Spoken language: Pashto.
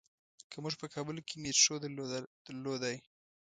که مونږ په کابل کې میټرو درلودلای.